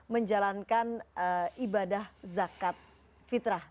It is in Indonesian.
menjalankan ibadah zakat fitrah